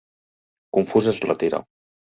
confús es retira.